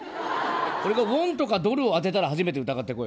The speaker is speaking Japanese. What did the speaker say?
俺がウォンとかドルを言ったら初めて疑ってこいよ。